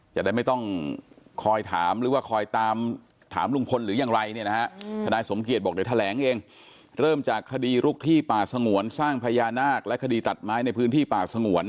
จะได้ไม่ต้องคอยถามหรือว่าคอยตามถามลุงพลหรือยังไรเนี่ยนะฮะ